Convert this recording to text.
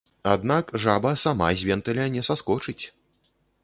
Аднак жаба сама з вентыля не саскочыць.